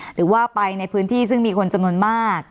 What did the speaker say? หรือว่าไปในพื้นที่ซึ่งมีคนจำนวนมาก